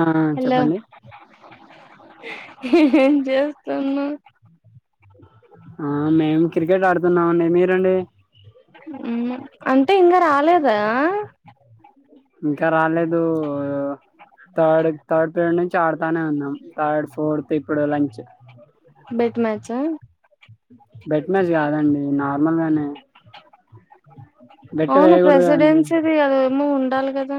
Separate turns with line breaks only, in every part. ఆ
హలో
చెప్పండి
ఏం చేస్తును
ఆ మేము క్రికెట్ ఆడుతున్నామండి మీరండి
అంటే ఇంకా రాలేదా
ఇంకా రాలేదు తాడు తాడు పెడణ చాడతానే ఉన్నాం థర్డ్ ఫోర్త్ ఇప్పుడు లంచ్
బెట్ మ్యాచ్
బెట్నజ కాదండి ఈ నార్మల్గానే
అవును
వేయకూడదు కదండి
ప్రెసిడెన్సీది అదేమో ఉంది ఉండాలి కదా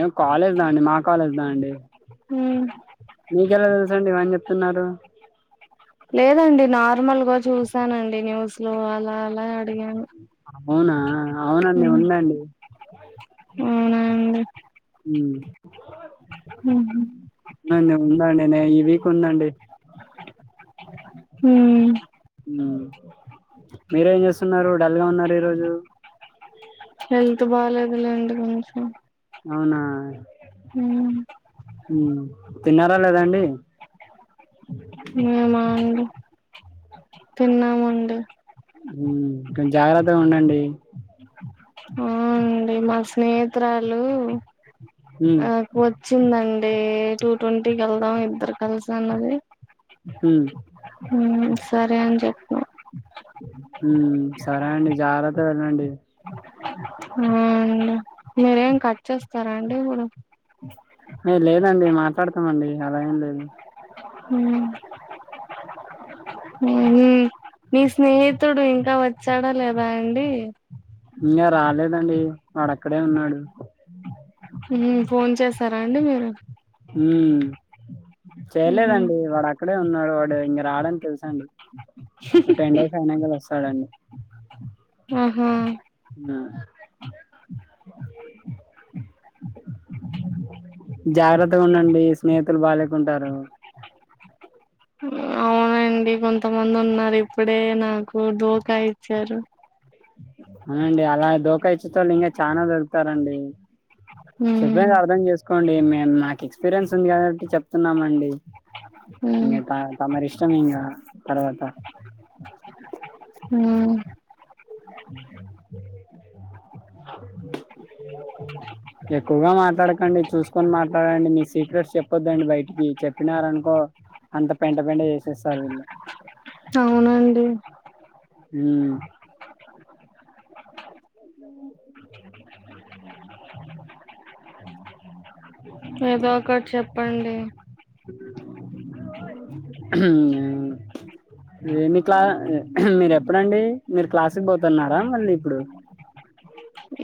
ఏం కాలేజ్ దా అండి మా కాలేజ్ దా అండి
ఉమ్
మీకేలా తెలుసు అండీ ఇవాంజెప్ తున్నారు
లేదండి నార్మల్ గా చూసానండి న్యూస్ లో అలా అలా అడిగాను
అవునా అవునండి
ఉమ్
ఉందండి
అవునా అండీ
ఉమ్
ఉమ్ హు
ఉందండి ఉందండి నే ఈ వీక్ ఉందండి
ఉమ్
ఉమ్. మీరేం చేస్తున్నారు డల్ గా ఉన్నారు ఈ రోజు
హెల్త్ బాలేదులేండి కొంచెం
అవునా
ఉమ్
ఉమ్. తిన్నారా లేదండి
మేము అండి తిన్నామండి
ఉమ్ కొ జాగ్రత్తగా ఉండండి
ఆ అండి మా స్నేహితురాలు
హ్మ్
ఆకు వచ్చిందండి టె టూ టట్వంటీ వెల్ధమ్ ఇద్దరు కలుస అన్నది
హ్మ్
సరే అని చెప్ప
హ్మ్ సరే జాగ్రత్తగా అండి
అవునండి మీరేం కట్ చేస్తారా అండి ఇప్పుడు
ఏ లేదండి మాట్లాడతామండి అలా ఏం లేదు
ఉమ్ మీ స్నేహితుడు ఇంకా వచ్చాడా లేదా అండి
ఇంకా రాలేదండి వాడక్కడే ఉన్నాడు
ఉమ్ ఫోన్ చేస రడి మీరు
ఉమ్
ఉహు
చేయలేదండి వాడు అక్కడ అక్కడే ఉన్నాడు వాడు ఇంకా రాడని తెలుసాండి ఓ టెన్ డేస్ అయినాక వ స్తాడండీ
ఆహా
ఆ జాగ్రత్తగా ఉండండి స్నేహితులు బాలేకుంటారు
అవునండి కొంతమంది ఉన్నారు ఇప్పుడే నాకు దోకా ఇచ్చారు
అవునండి అలా దోకా ఇచ్చుత వాళ్ళు ఇంకా చాలనా దొరుకుతారండి
ఉమ్
చెప్పేది అర్థం చేసుకోండి మేము మాకు ఎక్స్పీరియన్స్ ఉంది కద చెప్తున్నామండి
ఉమ్
ఇంకా త తమరి ఇష్టం ఇంకా తర్వాత
ఉమ్
ఎక్కువగా మాట్లాడక అండి చూసుకొని మాట్లాడండి నీ సీక్రెట్ చెప్ ద్దండి బయటికి చెప్పినార అనుకో అంత పెంట పెంట చేసేస్తారు వీళ్ళు
అవునండి
ఉమ్
ఏదో ఒకటి చెప్పండి
ఉమ్ మీ క్లా మీరు ఎప్పుడండి మీరు క్లాసుకి పోతున్నారా మళ్ళీ ఇప్పుడు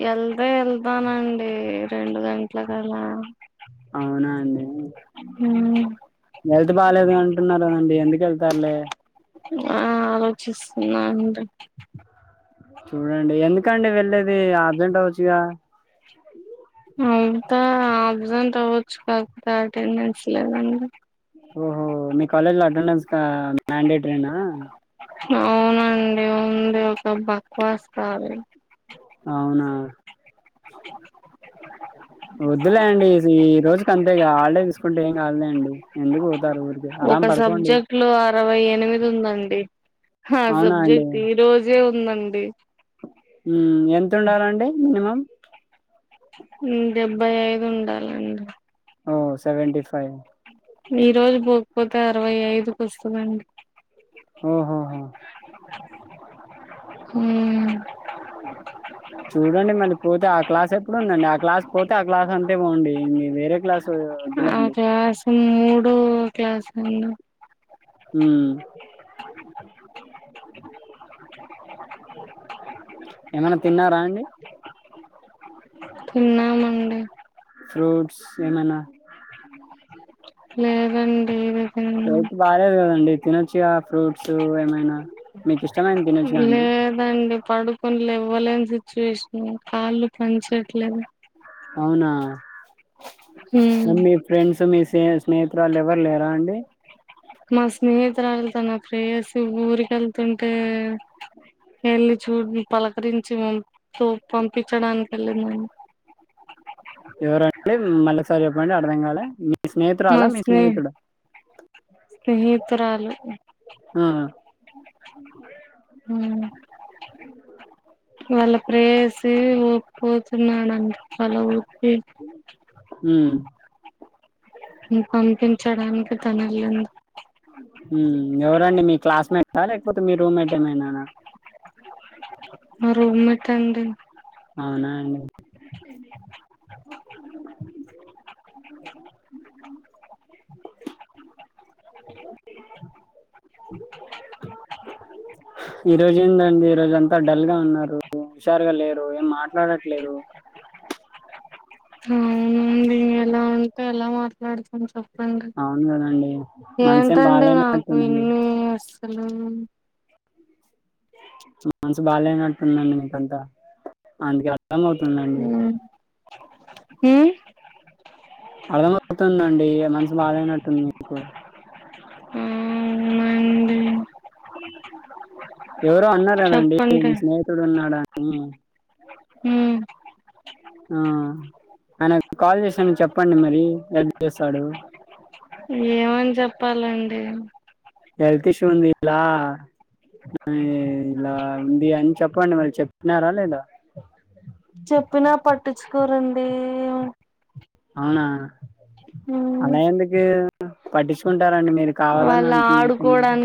వెళ్తా వెళ్తానండి రెండు గంటలకి అలా
అవునా అండి
ఉమ్
హెల్త్ బాగాలేదు అంటున్నారు కదండి ఎందుకు వెళ్తారులే
ఆ ఆలోచిస్తున్నాండి
చూడండి ఎందుకండి వెళ్ళేది ఆబ్సెంట్ అవచ్చుగా
అంతా అబ్జెంట్ అవచ్చు కాకపోతే అటెండెన్స్ లేదండి
ఓహో మీ కాలజ్ లో అటెండెన్స్ మ్యాండేటరీనా
అవునండి ఉంది ఒక బక్వాస్తాలి
అవునా వద్దులే అండి ఈ రోజుకి అంతేగా ఆల్డే ఇప్పుంటే ఏం కాదులే అండి ఎందుకు పోతారు ఊరికే ఆరాం
ఒక
పడుకోండి
సబ్జెక్ట్ లో అరవై ఎనిమిది ఉందండి ఆ
అవునా అండి
సబ్జెక్ట్ ఈ రోజే ఉమ్ దండి
ఎంత ఉండాలండి మినిమం
డెబ్బై యిదు ఉండాలండి
ఓ సెవెంటి ఫైవ్
ఈ రోజు పోకపోతే అరవై ఐదుకి వస్తుందండి
ఓహో
ఉమ్
చూడండి మళ్ళీ పోతే ఆ క్లాస్ ఎప్పుడుందండి ఆ క్లాస్ పోతే ఆ క్లాస్ అంతే పోండి ఇంకా వేరే క్లాస్ వద్దులేండి
మూడు క్లాసున్నా
ఉమ్ ఏమన్నా తిన్నారా అండి
తిన్నామండి
ఫ్రూట్స్ ఎమైనా
లేవండి
హెల్త్ బాగ లేదు గదండి తినొచ్చుగా ఫ్రూట్స్ ఏమైనా మీకు ఇష్టమైన తినొచ్చుగా అండి
లేదండి పడుకొని లేవ్వలేని సి చూశిన కాళ్ళు పనిచట్లేదు
అవునా
హ్మ్
నమీ మీ ఫ్రెండ్స్ మిస్ స్నేహ స్నేహితురాల్లు ఎవరు లేరా అండి
మా స్నేహితురాలు తన ప్రేయసి ఊరికి వెళ్తుంటే వెళ్లి చూడినీ పలకరించి పంపించడానికి వెళ్ళిందడి
ఎవరండి మాల్లోసారి చెప్పండి అర్థం కాలే మీ స్నేహితురాల
మా
మీ
స్నే
స్నేహితుడా
స్నేహితురాలు
ఆ,
వాళ్ళ ప్రేయసి ఏమో పోతున్నాడంట వాళ్ల ఊరికి
ఉం
పంపించడానికి తను వెళ్ళింది
ఉం ఎవరండి మీ క్లాస్ మెట్ ఆ లేకపోతే మీ రూమ్ మెట్ ఏమైనానా
మ రూమ్ మెట్ అండి
అవునా అండి ఈరోజు ఏందండి ఈరోజు అంతా డల్ గా ఉన్నారు హుషారుగా లేరు ఏం మాట్లాడట్లేదు
ఇంత ఎలా మాట్లాడుతాం చెప్ప
అవును గదండి మనసేం బాగాలేనట్టుందండి
హలో
మనసు బాగాలేనట్టుందండి మీకంతా అందుకే అమ్ అవుతుందండి
హ్మ్ హ్మ్
అర్థం అవుతుందండి ఎమ్ అన్ బాగాలేనట్టు ఉంది మీకు
ఉమ్ ఎమ్ అయ్యింది
ఎవరో అన్నారు కదండి మీ
చెప్పండి
స్నేహితుడు ఉన్నాడాని ఉమ్
ఉమ్
ఆ ఆయనకు కాల్ చేశాను చెప్పండి మరి హెల్ప్ చేస్తాడు
ఏమని చెప్పాలండి
హెల్త్ ఇష్యూ ఉంది ఇలా ఇలా ఉంది అని చెప్పండి మరి చెప్పినారా లేదా
దేవు
అవునా అలా ఎందుకి పట్టించుకుంటారండి మీరు కావాలని అంటున్అన్నట్టుఉన్నారు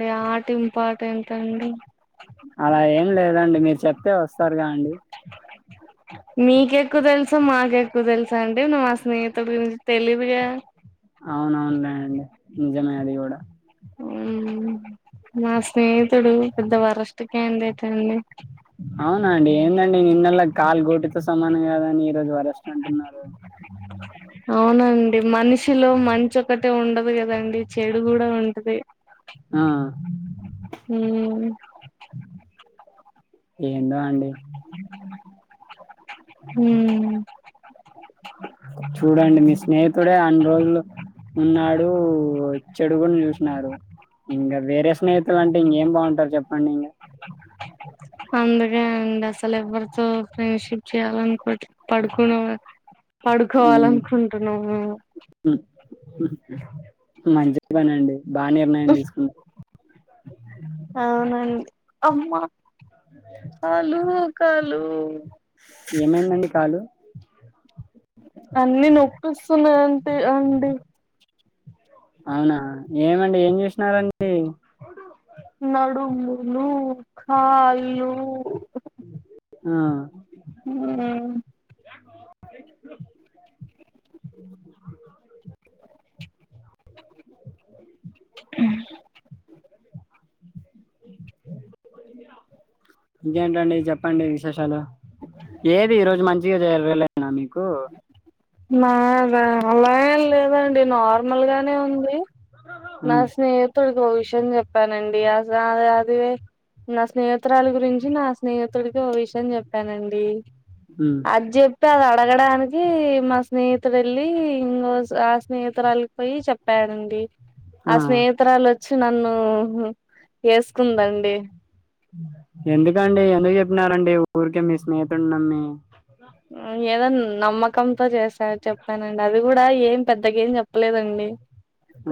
ఈ ఆట ఇంపార్టెంట్ అండి
అలా ఏం లేదండి మీరు చెప్తే వస్తారు రాండి
మీకెక్కువ తెలుసు మాకెక్కువ తెలుసా అంటే నువ్వు మా స్నేహితుడి గురించి తెలిదుగా
అవునవునులేనండి నిజమే అది కూడా
ఉమ్ మా స్నేహితుడు పెద్ద వరస్ట్ కాండేట్ అండి
అవునా అండి ఏందండి నిన్నెల కాళీ గోటితో సమానం కదా ఈరోజు వరస్ట్ అంటున్నారు
అవునండి అ మనిషిలో మంచి ఒకటే ఉండదు కదండి చెడు కూడా ఉంటది
ఆ
ఉమ్
ఏందో అండి
ఉమ్
చూడండి మీ స్నేహితుడే అన్ని రోజులు ఉన్నాడు చెడు కూడా చూసినారు ఇంకా వేరే స్నేహితులు అంటే ఇంకేం బాగుంటారు చెప్పండి ఇంకా
అందుకే అండి అసలు ఎవ్వరితో ఫ్రెండ్షిప్ చేయాల అనుకో పడుకునేవ
ఉమ్,
పడుకోవాలనుకుంటున్నా
మంచి పని అండి బాగా నిర్ణయం తీసుకున్నారు ఉక్
అవునండి అమ్మా కాలు క లు
ఏమైందండి కాలు
అన్ని నొపిస్తున్నాంటే అండి
అవునా ఏమండి ఏం చేసినారండి
నడుములు కాళ్లు
ఆ
ఉమ్
ఉమ్
టిక్ హా
ఇంకేంటండి చెప్పండి విశేషాలు ఏది ఈ రోజు మంచి జవజర వేలనా మీకు
నా అలా లేదండి నార్మల్ మల్గానే ఉంది నా
ఉమ్,
స్నేహిత్ మీకో విషయం చెప్పాలండిహ్మ్ అస అది నా స్నేహితురాలి గురించి నా స్నేహితుడికి ఓ విషయం చెప్పానండి
ఉమ్,
ఆజ్ చూప్బుతే తదా అడగడానికి మా స్నేహితుడు వెళ్ళి ఇంకో ఆ స్నేహితురాలిపోయి చెప్పాడండి ఆ స్నేహితురాలు చ్ నన్ను వేసుకుందండి
ఎందుకండి ఎందుకు చెప్పినార్ అండి ఊరికే మీ స్నేహితుడిని నమ్మి
ఆ ఏదో నమ్మకంతో చేసా చెప్తానండి అది కూడా ఏం పెద్దగేమ్ చెప్పలేదండి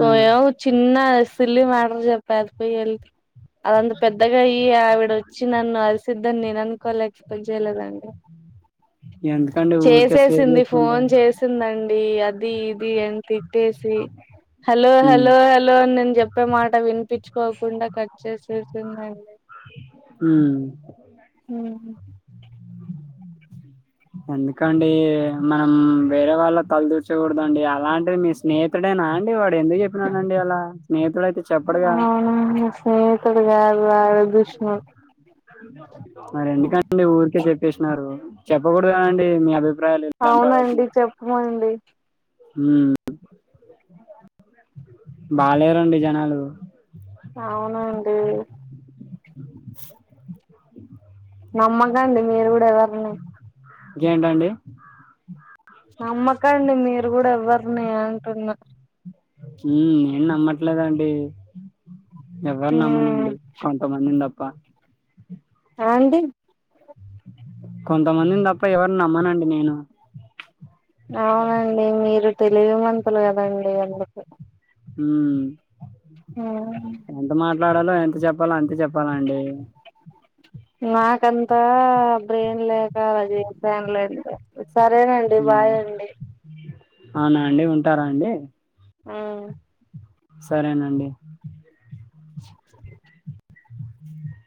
ఆ,
చిన్నా ఆ సిల్లీ మ్యాటర్ చెప్ప అది పోయి ఎల్ది అదంత పెద్దగా అయ్యి ఆవిడ వచ్చి నన్ను అరిస్ సిధన్ని నేను అనుకోలే ఎక్సపెక్ట్ జెయ్లేదండి
ఎందుకండి ఊరికే స్టే
చేసేసింది ఫోన్
చేసుకుంటారు
చేసిందండి ఈ అదీబ్ ది అని తిట్టేసి హలో
హ్మ్
హలో హలో అని నేను చెప్పే మాట వినిపించుకోకుండా కట్ చేసేసిందండి
హ్మ్.
మ్మ్ హ్
ఎందుకండి మనం వేరే వాళ్ళ తలదూర్చకూడదండి అలాంటివి మీ స్నేహితుడేనా అండి వాడ్ ఎందుకు చెప్పినానండి అలా స్నేహితుడు అయితే చెప్పడుగా
అవునా నా స్నేహితుడు గాద్
మరి ఎందుకండి ఊరికే చెప్పేష్నారు చెప్పకూడదా అండి మీ అభిప్
అవునండి చెప్మండి
మ్ బాలేేరండి జనాలు
అవునండి నమ్మకండి మీరు గూడా ఎవరిని
ఇంకేంటండి
నమ్మకండి మీరు గూడా ఎవర్ ఎవర్నీ అంటున్నా
మ్మ్ నేను నమ్మట్లేదండి ఎవర్ని నమ్మనండి కొంతమందిని తప్ క్కా
ఆ అండి
కొంతమందిని తప్ప ఎవర్ని నమ్మనండి నేను
అవునండి మీరు తెలివిమంతులు కదండి అందుకు
హ్మ్
ఉం
ఎంత మాట్లాడాలో ఎంత చెప్పాలో అంత చెప్ ప్పనండి
నాకంతా బ్రెయిన్ లేక అలా జేసాను లెండి. సరేనండి బాయ్ అండి.
అవునాండి ఉంటారా అండి.
ఆ.
సరేనండి.
[inaudible]